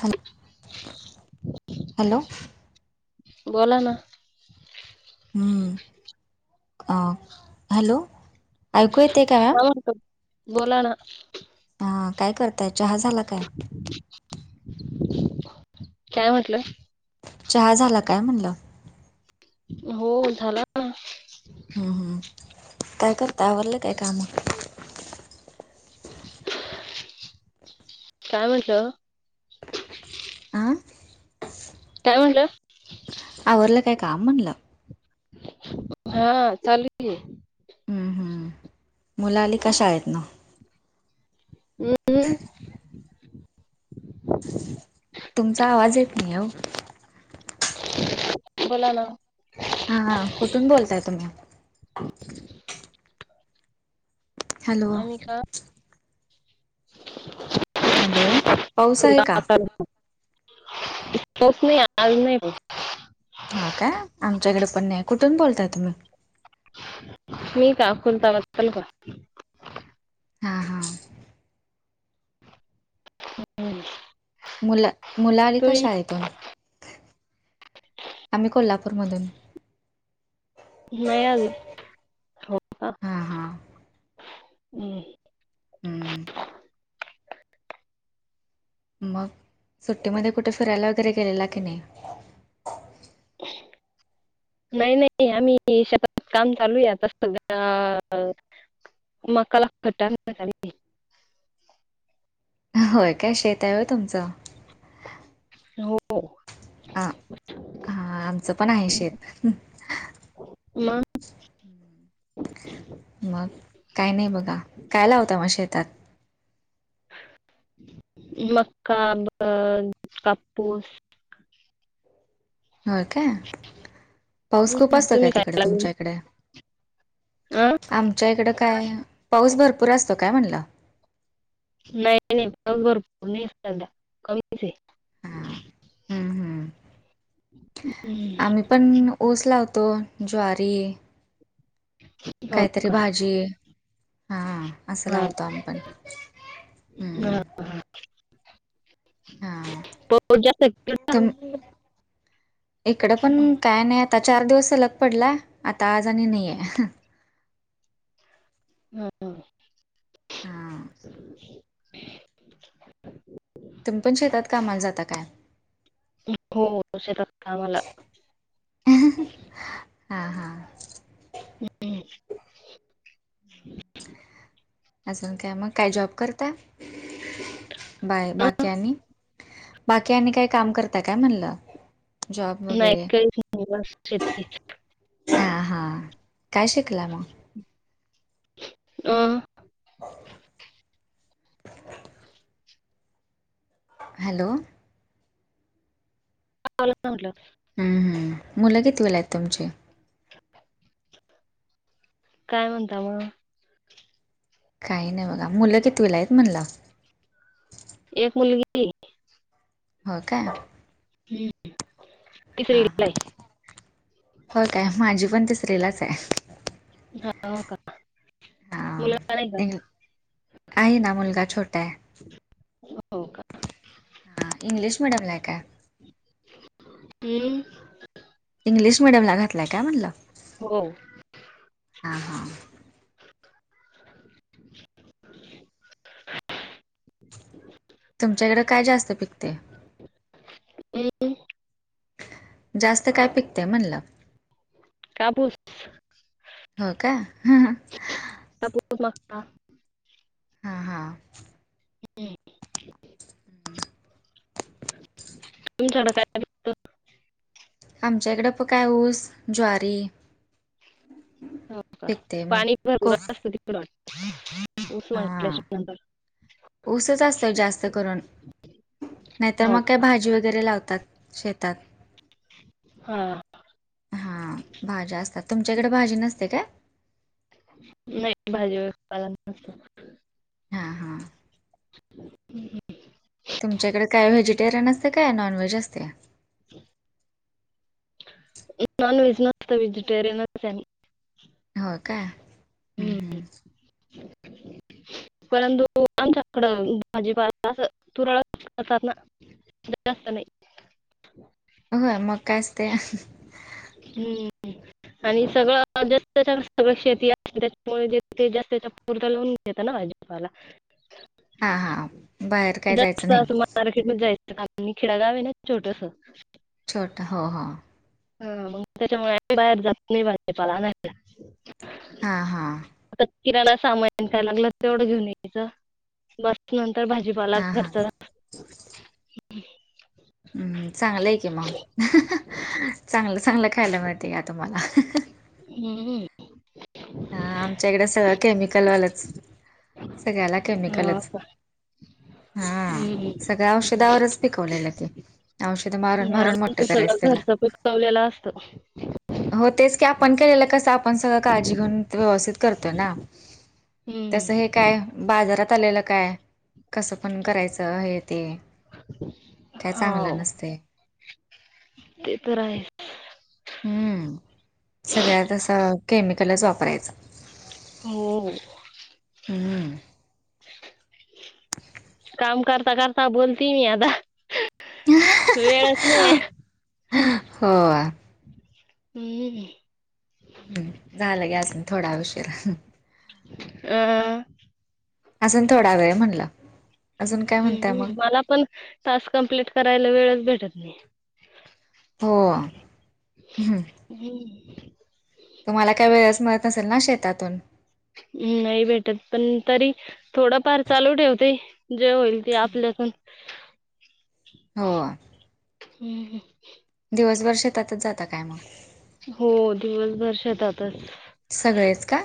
Hello? Hello? बोला ना. ह्म हं, हॅलो? ऐकू येतय का, मॅम? काय म्हणतो बोला ना हा काय करताय, चहा झाला काय? काय म्हटलं? चहा झाला काय म्हणलं? हो झाला. ना हम् हम्, काय करटाय आवरलं काय काम? काय म्हणता? अं? काय म्हटलं? आवरल काय काम म्हणलं? हा चालूकीं. हम्म हम्म मुलं आलीका शाळेतन? अम् म. तुमचा आवाज एत नही ओ. बोला ना. हां, कुठून बोलताय तुम्ही? हॅलो आम्ही का? हॅलो पाऊस आहे का [unintelligible] पाऊस नही, आज नही पाऊस. हां काय, आमच्याकडे पण नही, कुठून बोलताय तुम्ही? मी का? खुलताबाद [unintelligible] अक्कलकोट. हां हां. हम्म. [unintelligible] मुल, मुल आली का तुम्ही शाळेतून? आम्ही कोल्हापूर मधून. नाही अजून. हो का? हां हां हम्. मग सुट्टीमध्ये कुठे फिरायला वगैरे गेलेला की नाही? रीकाम आहे नाही नाही. आम्ही शताताच काम चालूए आता. [unintelligible] मका ला खटा [unintelligible] होय का? शेत आहे होय तुमच? हो. हा. हा. आमचं पण आहे शेत. म - मग काय नाही बघा. काय लावता मग शेतात? मक्का, कापूस. हो का? पाऊस खूप हम्म. असतो तुम्ही काय तिकडे लागेल तुमच्या इकडे? आमच्या इकडं काय? पाऊस भरपूर असतो काय म्हणलं? नाही नाही. पाऊस भरपुर नाही सध्या कमीच आहे. हम्म हम्म. हम्म. आम्ही - पण ऊस लावतो. ज्वारी- ह काहीतरी भाजी. हा. असं हा लावतो आम्ही पण. हं. हा. हा [unintelligible] तुम इकडं पण काय नाही आता. चार दिवस सलग पडला. आता आज आणि नाहीय. हो. हां रीकाम आहे तुम्ही पण शेतात कामाला जाता काय? हो. शेतात कामाला- हा हा. हम. अजून काय मग? काय जॉब करता? बाय, बाकी आणि? बाकी आणि काही काम करताय काय म्हणलं? जॉब नाही. वगैरे काहीच नाही बस [unintelligible] हा हा. काय शिकला मग? अ. रीकाम आहे हॅलो. [unintelligible] म्हटलं हम्म. मुलं कितवीला आहेत तुमचे? काय म्हणता मग? काही नाही बघा. मुलं कितवीला आहेत म्हणल? एक मुलगीए. हो का? हम्म. हां हां तिसरीलाय. हो काय? माझी पण तिसरीलाच आहे. हा का? हा. मुलगा नाही का आहे ना मुलगा छोटा आहे. हो का हा इंग्लिश मीडम ल का? हम्. इंग्लिश मिडियम ला घातलाय काय, म्हणलं? हो. हा हा. [inaudible] तुमच्याकडे काय जास्तं पिकतय? हम. जास्त काय पिकतय म्हणलं? कापूस हो का? हं हं. [unintelligible] मग ता [unintelligible] हां हां. हम्म. [inaudible] त थोड का [inaudible] आमच्या ईकडे पण काय ऊस, ज्वारी. हो का? पिकते मग पाणी भरपूर कोक असतं तिकडं [unintelligible] तस वा हा ऊसच श असतं जास्त करून [unintelligible] नाहीतर मग काय भाजी वगैरे लावतात, शेतात. हां. हां भाज्या असतात, तुमच्याकड भाजी नसते काय? नही, भाजी [unintelligible] पाला नसतो. हां हां. हम्म्. तुमच्याकडे काय व्हेजिटेरियन असत काय, नॉन व्हेज असत? [unintelligible] नॉनव्हेज नसत, वेजीटेरिअनच आम्ही. हो का? हम् हम्म. हम्. परंतु आमच्याकडं भाजीपाला असं, तुरळक करतात ना. [unintelligible] जास्त नही. होय, मग काय असतया. हम्म आणि सगळं जास्त, छान सगळं शेती त्याच्यामुळे जेथ ते जास्त चर लोन घेतता नाज [unintelligible] भाजीपाला, हा हा बाहेर काय जायचं जास्त नाही म [unintelligible] मार्केट मधी जायचं कार मी खिडागाव आहे ना, छोटस. छोट हॊ हं. हं मग त्याच्यामुळे बाहेर जात नाही, भाजीपाला आणायला. हां हां. आता किराना सामान काय लागल, तेवढं घेऊन यायचं. बस, नंतर भाजीपाला हा हा घरचा रा हम्, चांगलं य की मग, चांगलं-चांगलं खायला मिळत का तुम्हाला. हम्म. हां आमच्या इकड सगळं केमिकलवालंच, सगळ्याला हां केमिकलच. का हां हम्म. सगळ्या औषधावरच पिकवलेलं ते. औषध मारूण मारूण मोठ करायच त्याला. लेला असतो. हो तेच की आपण केलेलं कस आपण सगळं काळजी- - जी घेऊन व्यवस्थित करतो ना? तस हम्म. हे काय बाजारात आलेलं काय- कसं पण करायचं हे ते. काय चांगलं हाव. नसते ते तर आहे. हम्म. सगळ्यात असं केमिकलच वापरायचं. हो. हम्म काम करता करता बोलतीए मी आता. वेळ- होय. हम्. हम्म. झालं गी अजून थोडा उशीरा- अ- अजून थोडा वेळ म्हणलं. अजून काय म्हणताय मग हं. मला पण टास्क कम्प्लीट करायला वेळच भेटत नाही. हो. ह. हम्म. तुम्हाला काय वेळेच मिळत नसेल ना शेतातून? ह. नाही भेटत. पण तरी थोडंफार चालू ठेवते. जे होईल ते आपल्याकून. हो. हम् हम. दिवसभर शेतातच जाता काय मग? हो. दिवसभर शेतातच. सगळेंच का?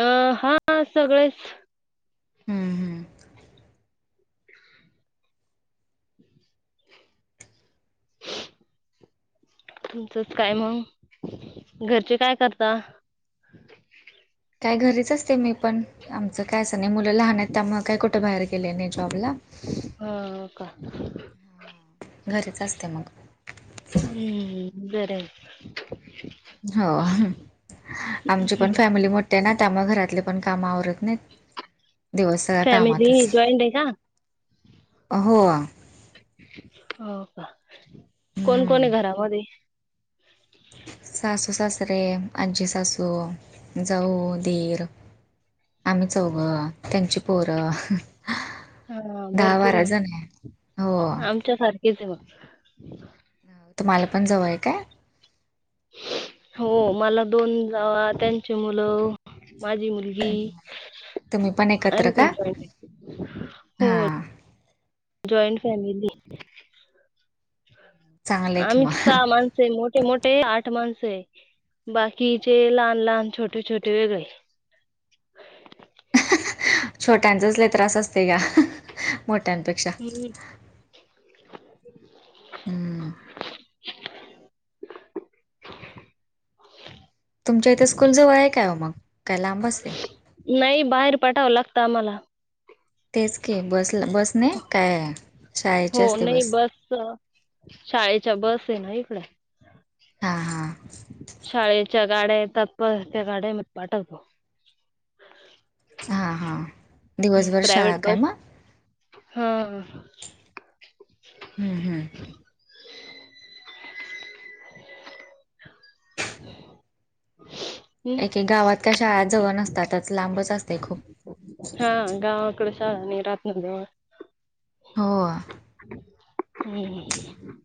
अ. हा सगळेच. हम्म हम्म. तुमचंच काय मग? घरचे काय करता? काय घरीच असते मी पण. आमचं काय असं नाही. मुलं लहान आहेत त्यामुळं काय कुठं बाहेर गेले नाही जॉब ला. हो का? घरीच असते मग. हम्म. बरय. हो. आमची पण फॅमिली मोठी आहे ना? त्यामुळे घरातले पण काम आवरत नाहीत. दिवस सगळा फॅमिली कामातच. जॉईंट आहे का? हो. हो का? कोण कोण आहे हम्म घरामध्ये? सासू सासरे, आज्जी सासू, जाऊ दीर. आम्ही चौघं. त्यांची पोरं. हा. दहा भरपूर बारा आहे जण हो म. आमच्या सारखीच आहे मग. तुम्हाला पण जाऊ आहे का? हो. मला दोन जावा त्यांची मुलं, माझी मुलगी तुम्ही पण - आणि एकत्र कोण का पायजे? हा हो. जॉईंट फॅमिलीये. चांगलं आहे की आम्ही मग सहा माण - सय. मोठे मोठे आठ माणस आहे. बाकीचे लहान लहान, छोटे छोटे वेगळे. छोट्यांचाचले त्रास असते का मोठ्यांपेक्षा हम्म हम्म तुमच्या इथे स्कूल जवळ आहे काय व मग काय लांब असते नाही बाहेर पाठव लागतं आम्हाला तेच की बसल- बसने काय शाळेची हो असते नाही बस अ शाळेच्या बस आहे ना इकड हां हां शाळे- च्या गाड्या येतात, बस त्या गाड्यामध्ये पाठवतो. हां -हां दिवसभर शाळा काय मग? ह हम्म हम् [inaudible] एके गावात काय शाळा जवळ नसतातच, लांबच असते खूप हा गावाकडच्या नि रातनजवळ हो हम्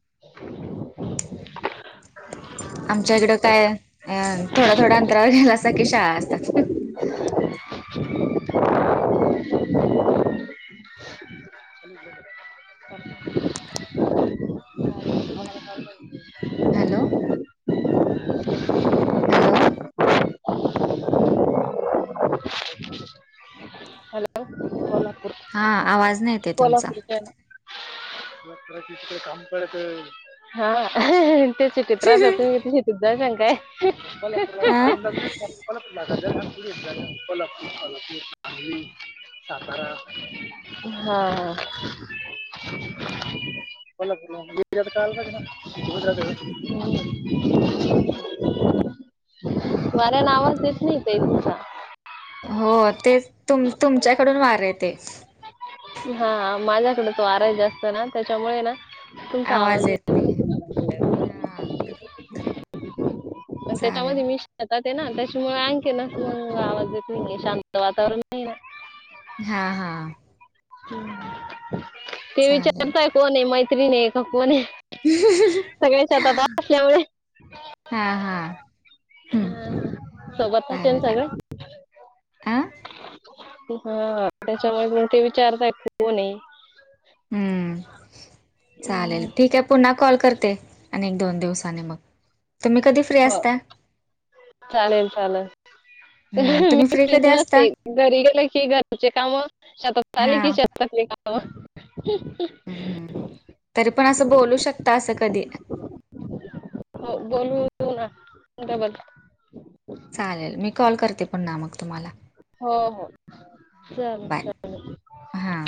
आमच्या इकडं काय अ थोड्या -थोड्या अंतरावर गेला अस की शाळा असतात. [inaudible] हॅलो हॅलो हॅलो कोल्हापूर, हा आवाज नाही येते तुमचा कोल्हापूरची आहे ना [unintelligible] हा ते ची -चित्रात आहे तुम्ही- तुम्ही तिध जासान काय अ [inaudible] सातारा हाहा [inaudible] पाहिजे ना [inaudible] हम्म वाऱ्यान आवाज येत नाही ताई तुमचा हो तेच तुम-तुमच्याकडून वारय ते हा माझ्याकडेच वार आहे जास्त ना त्याच्यामुळे ना- आवाज येत नाही आहे अन् चालेल त्याच्यामध्ये मी शेतात आहे ना त्याच्यामुळे आणखीनच मग आवाज येत नाही आहे. शांत वातावरण नाही ना हा हा हम्म, ते चालेल विचारताय- कोण आहे मैत्रिणी आहे का कोण आहे सगळे शेतात असल्यामुळे हा -हा हम् सोबतच आहे ना [inaudible] सगळे हा त्याच्यामुळे मग ते विचारताय कोण आहे हम्म चालेल हम्म, ठीक आहे पुन्हा- कॉल करते, अन् एक दोन दिवसाने मग, तुम्ही कधी फ्री हो असता चालेल चालेल हम्म तुम्ही मी फ्री फ्रीच कधी नसते, असता घरी गेल की घरचे काम, शतात आली हा कि श- तातले काम हम्म, हम्म तरी पण असं बोलू शकता असं कधी हो बोलू ना डबल चालेल मी कॉल करते पुन्हां मंग तुम्हांला हो -हो बाय चल-चालेल हां